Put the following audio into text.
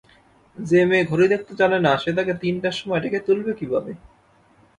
যে-মেয়ে ঘড়ি দেখতে জানে না, সে তাকে তিনটার সময় ডেকে তুলবে কীভাবে?